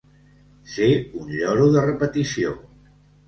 Ser un lloro de repetició.